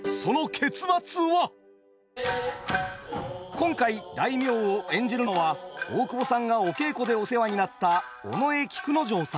今回大名を演じるのは大久保さんがお稽古でお世話になった尾上菊之丞さん。